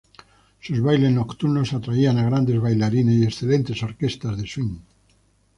Sus bailes nocturnos atraían a grandes bailarines y excelentes orquestas de Swing.